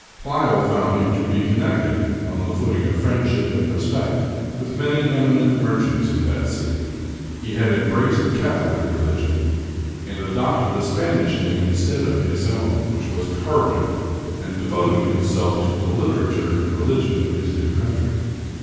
Pleyel found him to be connected, on the footing of friendship and respect, with many eminent merchants in that city. He had embraced the Catholic religion, and adopted a Spanish name instead of his own, which was Carw^in, and devoted him self to the literature and religion of his new country.